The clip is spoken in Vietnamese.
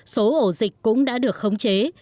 số ổ dịch cũng đã được khống chế